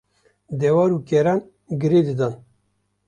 dewar û keran girêdidan.